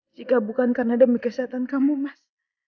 jika bukan karena demi kesehatan kamu mas